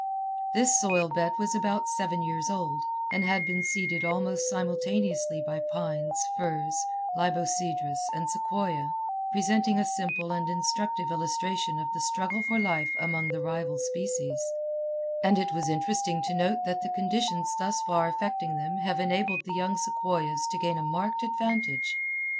This soil bed was about seven years old, and had been seeded almost simultaneously by pines, firs, libocedrus, and sequoia, presenting a simple and instructive illustration of the struggle for life among the rival species; and it was interesting to note that the conditions thus far affecting them have enabled the young sequoias to gain a marked advantage.